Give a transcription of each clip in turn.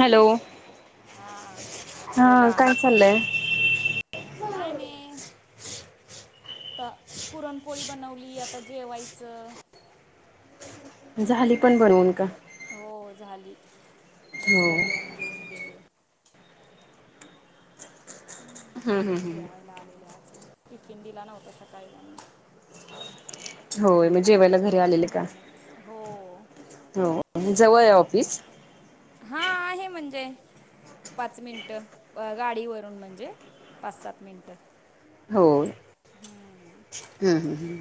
Hello, हा हां बोला. काय चाललंय? काय नाही. आता पुरणपोळी बनवली आता जेवायचं. [inaudible] झाली पण बनवून का? हो झाली, मिस्टर हो येऊन जेऊन गेले. हम्म हम्म हम्म जेवायला आलेले आज मग, टिफिन दिला नव्हता सकाळी त्यांना. होय मग जेवायला घरी आलेले का? हम्म हो हो. जवळ हाय ऑफिस? हां आहे म्हणजे पाच मिनिटं. अं गाडीवरून म्हणजे, पाच सात मिनिटं. हो. हम्म. हम्म हं हं.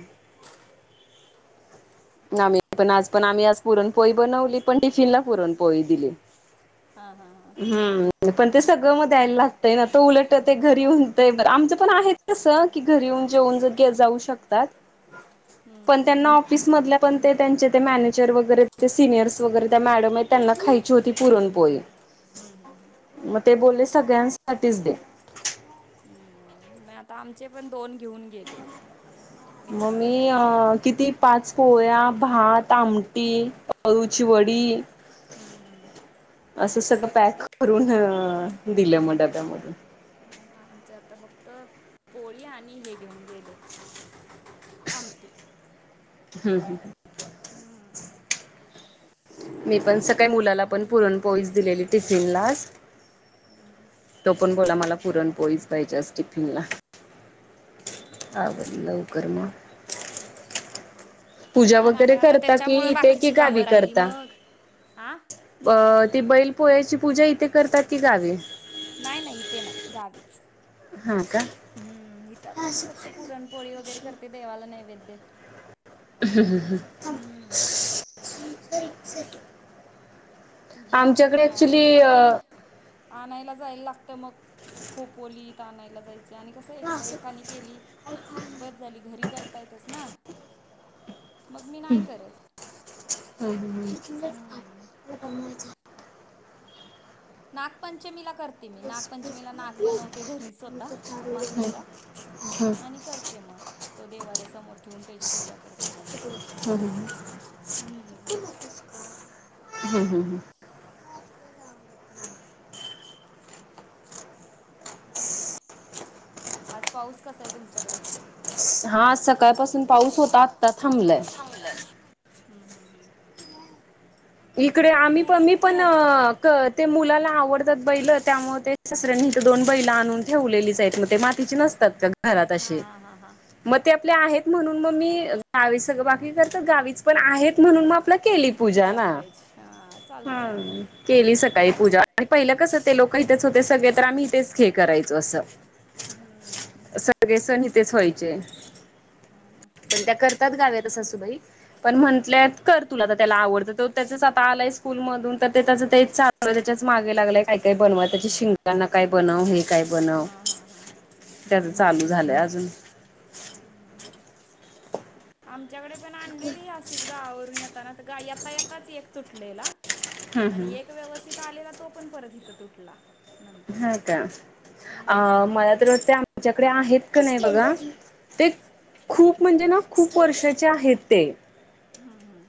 ना मी पण आज पण आम्ही आज पुरणपोळी बनवली पण टिफिनला पुरणपोळी दिली. हां हां हां. हम्म, पण ते सगळं म द्यायला लागतंय ना. तो उलट ते घरी येऊन तय एकदा आमचं पण आहेच. कसं की घरी येऊन जेऊ जाऊ शकतात, पण हम्म त्यांना ऑफिस मधल्या पण ते त्यांचे ते मॅनेजर वगैरे, ते सिनियर्स वगैरे त्या मॅडम आहे, त्यांना खायची होती पुरणपोळी. हं हं हं. मग ते बोलले सगळ्यांसाठीच दे. हम्म मग आता आमचे पण दोन घेऊन गेल ले, मग मित्राला मी खायची हाय अ म्हणून. किती पाच पोळ्या, भात, आमटी, अळूची वडी हम्म हम्म. असं सगळं पॅक करून दिलं मग डब्यामधून. नाही आमचे आता फक्त पोळी आणि हे घेऊन गेले. आमटी. हं हं. हं. मी पण सकाळी मुलाला पण आता म्हणलं पुरणपोळीच दिलेली टिफिनला आज. [inaudible] तो पण बोला, मला पुरण पोळीच पाहिजे आज टिफिनला. [unintelligible] आवर लवकर मग. पूजा हा ना पण वगैरे आता करता की, त्याच्यामुळं इथे की गावी कर हां. अ ती बैल पोळ्याची पूजा इथे करतात की गावी? नाही नाही इथे नाही, गावीच. हां का. हम्म, इथं आपली मी फक्त पुरणपोळी वगैरे करते देवाला नैवद्य. [unintelligible] हम्म. [unintelligible] एक सेकंड. पूजा वगैरे नाही, आता इथं बै आणायला जायला लागतं मग, खोपोलीत आणायला जाय आणि कसं एकदा एकाने केली, बसं झाली घरी करता येतच ना. मग मी नाही करत, हं हम्म. [inaudible] नागपंचमीला करते मी, नागपंचमीला नाग बनवते घरी स्वतः मातीचा हं हं आणि करते मग. तो देवाऱ्या समोर ठेवून, त्याची पूजा करते. हम्म. ह ह ह. [unintelligible] आज पाऊस कसा आहे तुमच्याकडे? हां आज सकाळपासून पाऊस होता, आता थांबलाय. थांबलाय. हं हं हं. इकडे आम्ही पण मी पण खूप ते मुलाला आवडतात बैलं, त्यामुळं ते सासऱ्यांनी इथं बैल आणून ठेवलेलीच आहेत. मग ते मा तीची नसतात, का घरात हां असे. हां हां हां मग ते आपले आहेत म्हणून मग मी गावी सगळं, बाकी करतात गावीच पण आहेत म्हणून मग आपला केली पूजा ना. अच्छा चा हां. केली सकाळी पूजा आणि पहिलं कसं ते लोकं इथंच होते सगळे, तर आम्ही इथेच हे करायचो असं. हम्म. सगळे सण इथेच व्हायचे. हां ना. पण करतात गाव्याला सासुबाई, पण म्हंटल्यात कर तुला तर त्याला आवडतं तर. त्याचच आता आलाय स्कूलमधून, तर ते तेच चालू हाय. त्याच्याच मागे लागलाय, काय काय बनवाय त्याची शिं गांना काय बनव, हे काय बनव. हां हां हां. त्याचं चालू झालंय अजून हं आमच्याकडे पण आणलेली असच गावावरून येताना तर गायब. येता येताच एक तुटलेला हम्म आणि एक हम्म व्यवस्थित आलेला तो पण परत इथं तुटला. नंतर हां का. अ हम्म मला तर वाटतंय आमच्याकडे आहेत का नाही बघा ते खूप म्हणजे ना, खूप वर्षाचे आहेत ते. हं हं.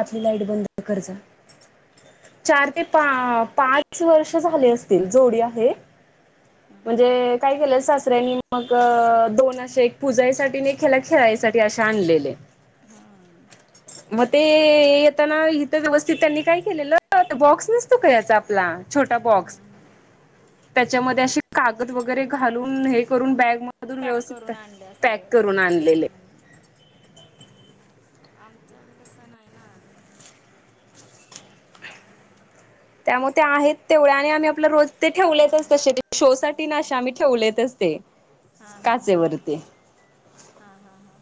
आतली लाईट बंद कर जा. चार ते पा पाच वर्ष झाले असतील, जोडी आहे. हां. म्हणजे केलंय सासऱ्यांनी, मग दोन अशे एक पूजायसाठी आणि एक हेला खेळायसाठी असे आणलेले. हां. मग ते येताना इथं व्यवस्थित त्यांनी काय केलेलं, तो बॉक्स नसतो का याचा आपला छोटा बॉक्स हम्म त्याच्यामध्ये अशे कागद वगैरे घालून, हे करून बॅग मधून पॅक व्यवस्थित करून पॅ आणले असते पॅक व्यवस्थित करून आणलेले. हम्म आमच्याकडं तसं नाही ना. त्यामुळे ते आहेत तेवढ्या आणि आम्ही आपलं रोज ते हां ठेवलेतच हां तसे ते शोसाठी ना आशा आम्ही ठेवलेतच ते. हां हां हां, काचेवरती हां हां हां.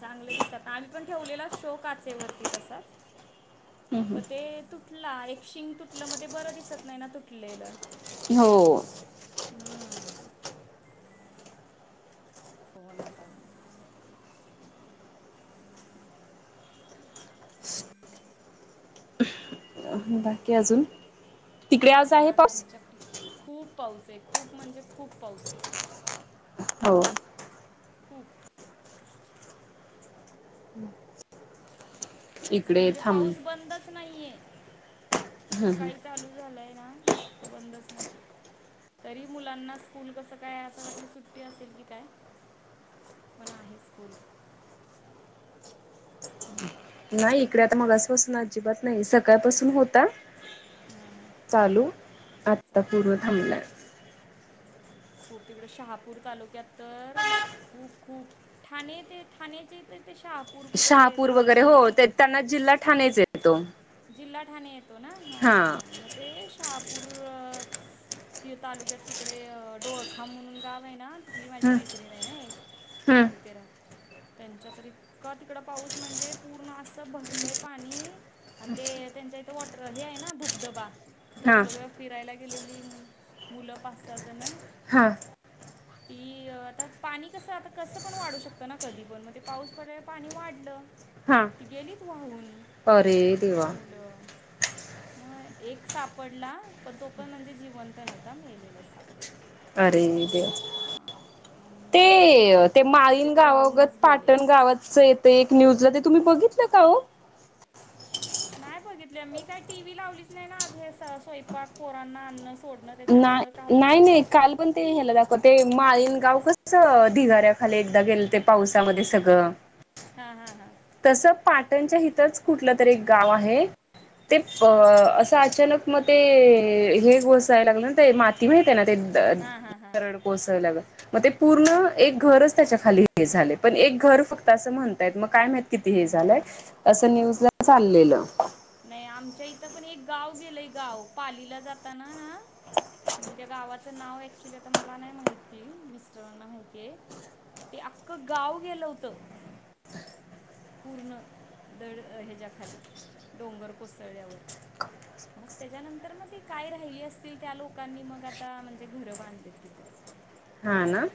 चांगलं दिसतात. आम्ही पण ठेवलेला शो काचेवरती तसाच. प ते तू तुटला एक शिंग तुटलं, मग ते बरं दिसत नाही ना तुटलेलं. हो. हम्म. हो ना आता. बाकी अजून? तिकडे आज काय नाही आहे पाऊस? आमच्याकडे खूप पाऊस हाय, खूप म्हणजे खूप पाऊस हाय. हो. खूप. आज इकडे म्हणजे थांब पाऊस बंदच नाहीये, हम्म सकाळी हम्म चालू झालंय ना, तो बंदच नाहीये. तरी मुलांना स्कूल कसं काय, असं वाटलं सुट्टी असेल की काय. पण आहे स्कूल. नाही इकडे आता मगासपासून अजिबात नाही, सकाळपासून होता हम्म, हम्म. चालू. तर आत्ता पूर्ण चालूच आहे थांबलाय. खूप तिकडं शहापूर तालुक्यात तर खूप खूप ठाणे ते ठाण्याच्या इथं ते शाह शहापूर वगैरे हो, त्यांना जिल्हा ठाणेच येतो. जिल्हा ठाणे येतो ना? हा, मग ते शहापूर अ ती तालुक्यात तिकडे डोळखाम म्हणून गाव आहे ना, तिथली माझी हम्म मैत्रीण नाही नाही हम्म तिथे राहते. त्यांच्यातरी इतकं तिकडं पाऊस म्हणजे पूर्ण असं भरलंय पाणी आणि ते त्यांच्या इथं वॉटर हे आहे ना धबधबा हा धबधब्यावर फिरायला गेलेली मुलं पाच सहा जणं [inaudible] ती आता पाणी कसं आता कसं पण वाढू शकतं ना कधी पण. मग ते पाऊस पडलेला पाणी वाढलं. हा ती गेलीत वाहून. अरे देवा. त मग एक सापडला, पण तो पण म्हणजे जिवंत नव्हता मेलेलाच सापडला. अरे देवा. हां ते आणि ते बाकीचे माळीन तर गावागत वाहूनच गेले पाटण गावचं ये ते एक न्यूजला ते तुम्ही बघितलं का हो? नाही बघितले मी काही टी व्ही लावलीच नाही ना, आज हे स्वयंपाक पोरांना आणनं, सोडणं. त्याच्यामुळं नाही काहीच नाही नाही काल पण ते ह्याला दाखव ते माळीन गाव कसं ढिगाऱ्याखाली एकदा गेलं ते पावसामध्ये सगळं. हां हां हां. तसं पाटणच्या हिथंच कुठलं तरी एक गाव आहे. ते अ असं अचानक मग ते हे घुसाय लागलं ना ते, माती माहित आहे ना ते द हां हां हां दरड कोसळल्यागत. मग ते पूर्ण एक घरच त्याच्या खाली हे झालंय, पण एक घर फक्त असं म्हणतायत मग काय माहित किती हे हम्म हम्म झालंय? हम्म असं न्यूज ला चाललेलं. नाही आमच्या इथं पण एक गाव गेलंय गाव, पालीला जाताना ना म्हणजे त्या गावाचं नाव ऍक्च्युली आता मला नाही माहिती, मिस्टरांना माहिती आहे. ते अख्खं गाव गेलं होतं. पूर्ण दड ह्याच्यायाखाली, डोंगर कोसळल्यावर. मग त्याच्यानंतर मग ती काय राहिली असतील, त्या लोकांनी मग आता म्हणजे घरं बांधले आहेत तिथं. हां ना.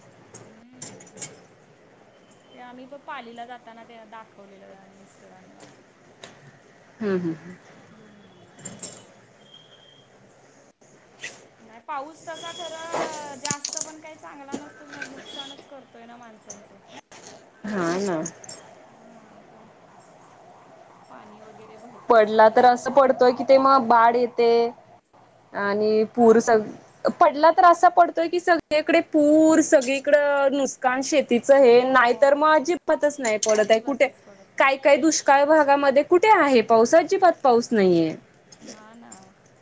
ते आम्ही प पालीला जाताना ते दाखवलेलं मिस्टरांनी माझ्या. हं हं. हम्म. नाही पाऊस तसा खरं जास्त पण काही चांगला नसतो ना, नुकसानच करतोय ना माणसांचं. हां ना. मग आता? पाणी वगैरे भर पडला तर असं पडतोय की ते मग बाढ येते आणि आ पूर सग पडला तर असा पडतोय, की सगळीकडे पूर सगळीकडं नुस कान शेतीचं हे, नाही हो तर मग अजिबातच नाही पडत आहे कुठे अजिबातच पडत काय काय नाही दुष् काळ भागामध्ये कुठे आहे पाऊस, अजिबात पाऊस नाहीये. हां ना.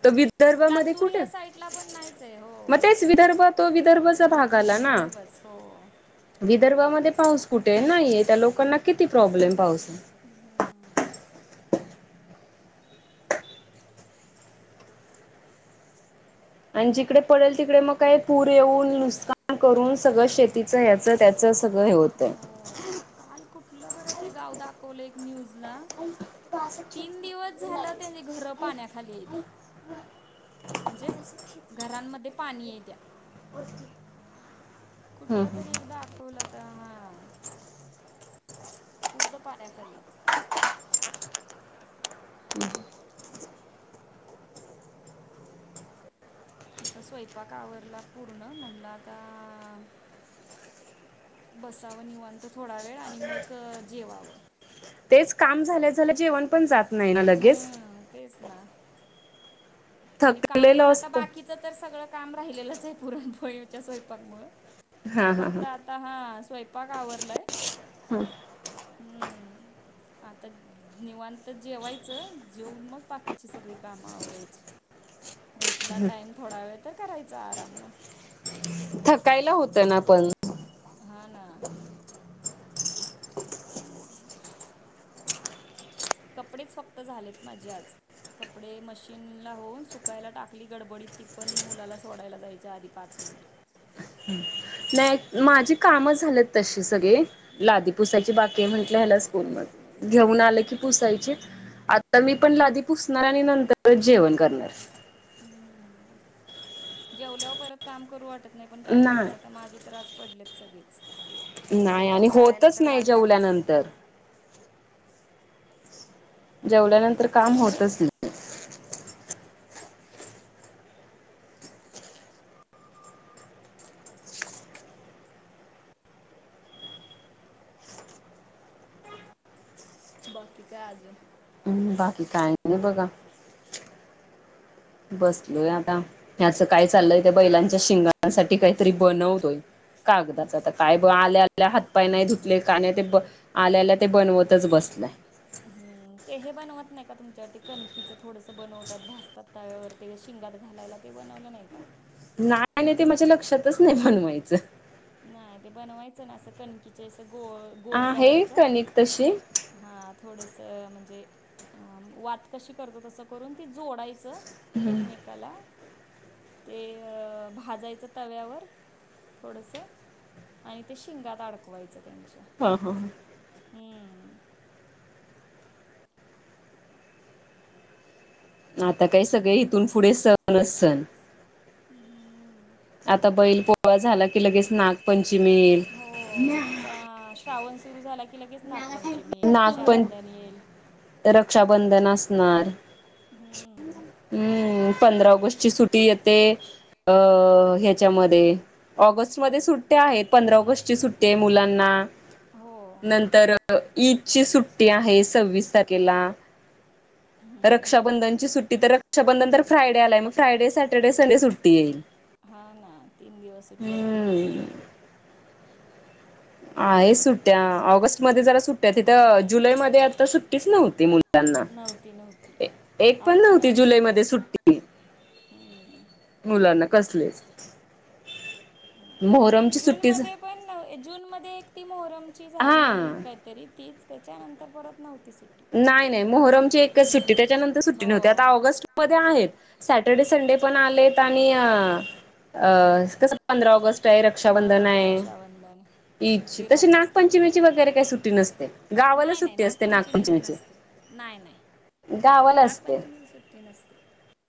तो विदर्भामध्ये लातूर कुठे, या साईडला पण नाहीच आहे हो मग तेच विदर्भ तो विदर्भच चा भाग हम्म आला ना? विदर्भच हो विदर्भामध्ये पाऊस कुठे हाय? नाही त्या लोकांना किती प्रॉब्लेम पाऊस हम्म. आणि जिकडे पडेल तिकडे मग काही पूर येऊन, नुसकान करून सगळं शेत तिचं, याचं, त्याचं सगळं हे होतंय. हो काल कुठलं बरं ते आहे गाव दाखवलं एक न्यूजला तीन दिवस झालं त्यांची घरं पाण्याखाली येती [unintelligible] म्हणजे घरांमध्ये पाणी येत्या. [unintelligible] कुठलं हम्म. तरी एकदा दाखवलं तर हा. पूर्ण पाण्याखाली आता स्वयंपाक आवरला पूर्ण म्हणलं आता. बसावं निवांत थोडा वेळ आणि मग जेवावं. तेच काम झाल्या झाल्या, जेवण पण जात नाही ना लगेच. हम्म तेच ना आणि काम पण थकलेलं आता असतं. बाकी सगळ काम राहिलंच आहे पुरणपोळीच्या स्वयक मु हा हा हा फक्त आत आता हा स्वयंपाक आवरलाय. हम्म हम्म आता. निवांत जेवायचं जेवन मग बाकीची सगळी कामं आवरायची. भेटला टाइम थोडा वेळ तर करायचा आराम मग थकायला होतं ना पण. हा ना. [inaudible] कपडेच फक्त झालेत माझी आज. कपडे मशीनला होऊन सुकायला टाकली गडबडीत ती पण मुलाला सोडायला जायच्या आधी पाच मिनिट. नाही माझी काम झालेत तशी सगळे लादी पुुसायची बाकी म्हटले, हला स्कूल म घेऊन आले की. पुसायची, आता मी पण लादी पुसणार आणि नंतरच जेवण करणार. हम्म जेवल्यावर परत काम करू वाटत नाही, पण काय करायचं आता नाही माझी तर आज पडलेच सगळेच. नाही आणि करायला होतच तर नाही लागणारच आहे ती. जेवल्यानंतर जेवल्यानंतर काम होतच नई. बाकी काय आजून? हम्म बाकी काय नाही बघा. बसलोय आता, ह्याचं काय चाललंय ते बैलांच्या शिंगण्याांसाठी काहीतरी बनवतोय. कागदाच आता काय ब आल्या आल्या हातपाय नाही धुतले का नाही ते ब आल्या आल्या ते बनवतच बसलय. हम्म, ते हे बनवत नाही का तुमच्यावरती कणकीचं थोडस बनवतात भाजतात. त्यावरती शिंगात घालायला ते बनवलं नाही का? नाही ना ते माझ्या लक्षातच नाही म्हनवायचं. नाही ते बनवायचं ना असं कणीकीच्या असं गोल आहे करायचा. कणिक तशी हा थोडस म्हणजे वात कशी करतो तसं करून ती जोडायचं. एकमे मेकाला ते भाजायचं तव्यावर थोडस. आणि ते शिंगात अडकवायचं त्यांच्या. हा हा हा. हम्म. आता काय सगळे इथून पुढे सणच सण. हम. आता बैल पोळा झाला की, लगेच नागपंचमी येईल. तर श्रावण सुरू झाला की, लगेच नागपंचमी येईल नागपं रक्षाबंधन ईल. रक्षाबंधन असणार. हम्म. हम. पंधरा ऑगस्ट ची सुट्टी येते अ हेच्यामध्ये. ऑगस्ट मध्ये सुट्ट्या आहेत, पंधरा ऑगस्टची सुट्टी आहे मुलांना. हो. नंतर ईदची सुट्टी आहे सव्वीस तारखेला. रक्षाबंधनची सुट्टी तर. रक्षाबंधन तर फ्रायडे आलाय. मग फ्रायडे सेटरडे संडे सुट्टी ईल. हा ना तीन दिवस सुट्ट्या येतील. हम्म आहे सुट्टया. ऑगस्टमध्ये जरा सुट्ट्या आहेत. तिथं जुलैमध्ये आता सुट्टीच नव्हती. मुल त्यांना नव्हती नव्हती. एक पण नव्हती जुलै मध्ये सुट्टी. हम्म. मुलांना कसले च. नव्हती. जूनमध्ये पण जून मध्ये एक ती मोहरमची झाली हा काय तरी. तीच तेच्यानंतर परत नव्हती सुट्टी. नाही नाही. मोहरमची एकच सुट्टी हम्म. त्याच्यानंतर सुट्टी नव्हती. आता हो. ऑगस्ट मध्ये आहेत. सॅटर्डे संडे पण आलेत. आणि, अ कसं पंधरा ऑगस्ट. रक्षाबंधन हा आहे. रक्षाबंधन ईदची सुट्टी तसे राहतेच त्याला नागपंचमीची वगैरे काही सुट्टी नसते. गावाला नाही नाही सुट्टी असते. नागपंचमीची नसते नाही नाही गावाला असते. नागपंचमीची सुट्टी नसते.